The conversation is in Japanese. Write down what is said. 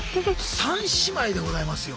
三姉妹でございますよ。